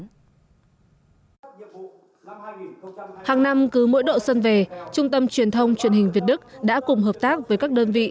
hàng năm cứ mỗi độ xuân về trung tâm truyền thông truyền hình việt đức đã cùng hợp tác với các đơn vị